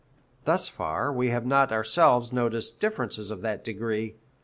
Thus far, we have not ourselves noticed differences of that degree.